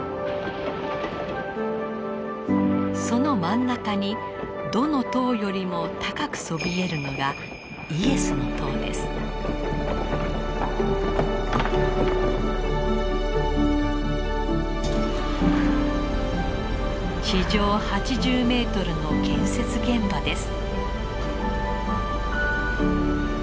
その真ん中にどの塔よりも高くそびえるのが地上８０メートルの建設現場です。